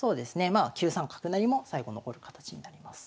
まあ９三角成も最後残る形になります。